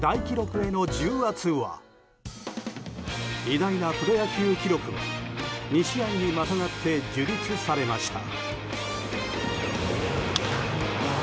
偉大なプロ野球記録は２試合にまたがって樹立されました。